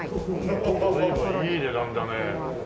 随分いい値段だね。